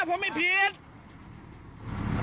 ผมไม่ผิด